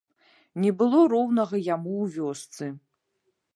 Не было роўнага яму ў вёсцы.